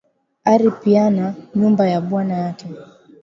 Ari piana nyumba ya bwana yake